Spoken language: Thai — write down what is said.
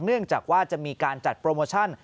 เนื่องจากว่าจะมีการจัดโปรโมชั่น